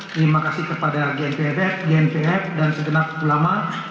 terima kasih kepada gmpf gmpf dan segenap ulama